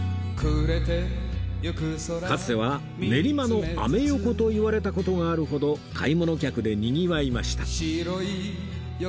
かつては「練馬のアメ横」といわれた事があるほど買い物客でにぎわいました